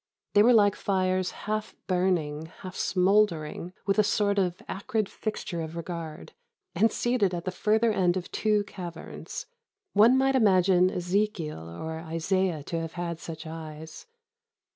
They were like fires half burning, half smouldering with a sort of acrid fixture of regard, and seated at the further end of two caverns. One might imagine Ezekiel or Isaiah to have had such eyes.